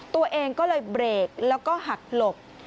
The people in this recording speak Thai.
ตัวเองก็เลยเบรกแล้วก็หักหลบ